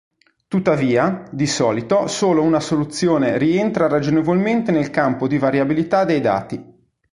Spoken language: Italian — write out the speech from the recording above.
Tuttavia, di solito solo una soluzione rientra ragionevolmente nel campo di variabilità dei dati.